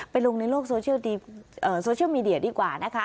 ไปลงในโลกโซเชียลเอ่อโซเชียลดีกว่านะคะ